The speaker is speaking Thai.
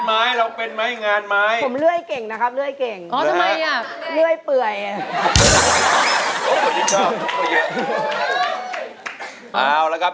มาเพลงที่๒นะครับ